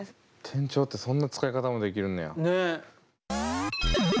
転調ってそんな使い方もできるんねや！ね。